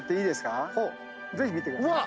ぜひ見てください。